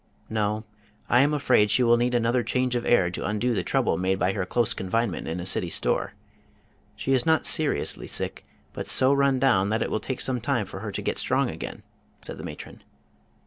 "No, I am afraid she will need another change of air to undo the trouble made by her close confinement in a city store. She is not seriously sick, but so run down that it will take some time for her to get strong again," said the matron.